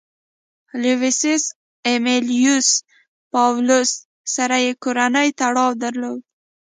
لوسیوس امیلیوس پاولوس سره یې کورنی تړاو درلود